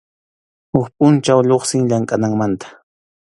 Huk pʼunchaw lluqsin llamkʼananmanta.